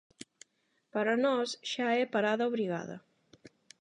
Para nós xa é "parada obrigada".